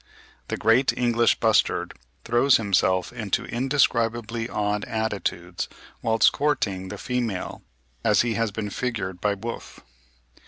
The great English bustard throws himself into indescribably odd attitudes whilst courting the female, as has been figured by Wolf.